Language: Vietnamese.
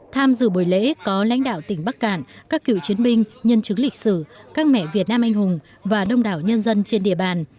tham dự buổi lễ có lãnh đạo tỉnh bắc cạn các cựu chiến binh nhân chứng lịch sử các mẹ việt nam anh hùng và đông đảo nhân dân trên địa bàn